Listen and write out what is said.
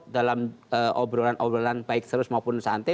dalam obrolan obrolan baik terus maupun santai